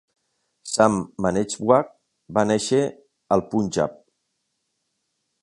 Sam Manekshaw va néixer al Punjab.